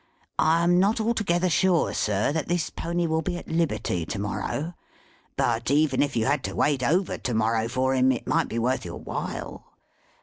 I am not altogether sure, sir, that this pony will be at liberty to morrow, but even if you had to wait over to morrow for him, it might be worth your while.